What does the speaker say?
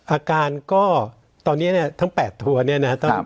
อาการก็ตอนนี้เนี่ยทั้ง๘ตัวเนี่ยนะครับ